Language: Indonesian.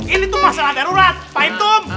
ini tuh pasal darurat pak hitung